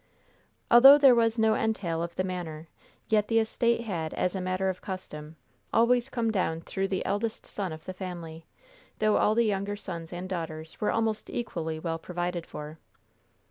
Although there was no entail of the manor, yet the estate had, as a matter of custom, always come down through the eldest son of the family, though all the younger sons and daughters were almost equally well provided for.